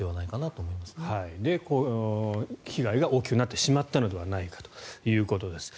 それでこの被害が大きくなってしまったのではないかということです。